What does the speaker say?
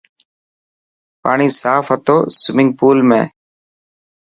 پاڻي صاف هتو سومنگپول ۾.